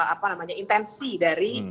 apa namanya intensi dari